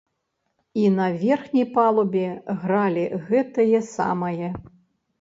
І на верхняй палубе гралі гэтае самае.